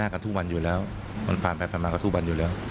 กันทุกวันอยู่แล้วมันผ่านไปผ่านมาก็ทุกวันอยู่แล้ว